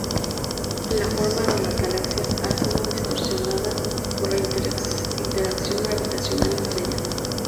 La forma de las galaxias ha sido distorsionada por la interacción gravitacional entre ellas.